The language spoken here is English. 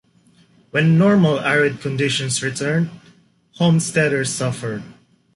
When normal arid conditions returned, homesteaders suffered.